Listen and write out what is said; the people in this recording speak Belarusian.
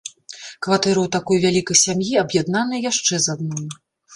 Кватэра ў такой вялікай сям'і аб'яднаная яшчэ з адной.